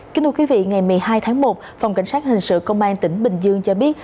kính thưa quý vị ngày một mươi hai tháng một phòng cảnh sát hình sự công an tỉnh bình dương cho biết